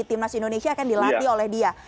timnas indonesia akan dilatih oleh dia